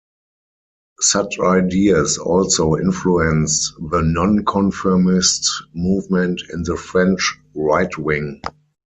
Such ideas also influenced the Non-Conformist Movement in the French right-wing.